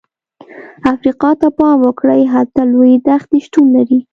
افریقا ته پام وکړئ، هلته لویې دښتې شتون لري.